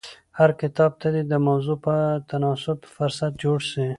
هر کتاب ته دي د موضوع په تناسب فهرست جوړ سي.